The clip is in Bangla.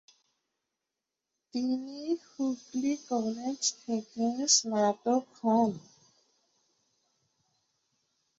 তিনি হুগলি কলেজ থেকে স্নাতক হন।